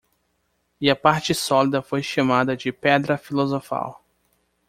E a parte sólida foi chamada de Pedra Filosofal.